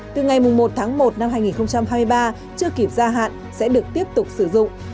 từ ngày một một hai nghìn hai mươi ba chưa kịp gia hạn sẽ được tiếp tục sử dụng